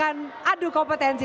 nanti dia akan aduk kompetensi